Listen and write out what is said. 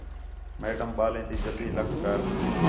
میڈم ٻالیں تی جلدی لَکھ کر